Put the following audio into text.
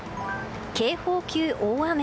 警報級大雨。